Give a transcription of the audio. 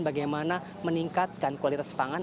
bagaimana meningkatkan kualitas pangan